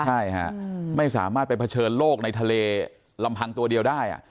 ใช่ค่ะไม่สามารถไปเผชิญโลกในทะเลลำพังตัวเดียวได้